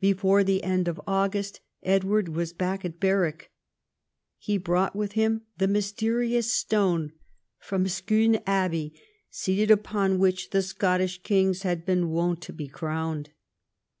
Before the end of August, Edward was back at Berwick. He brought with him the mysterious stone from Scone Abbey, seated upon which the Scottish kings had been wont to be cro^v ned.